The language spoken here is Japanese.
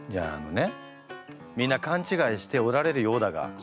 いやあのねみんなかんちがいしておられるようだが。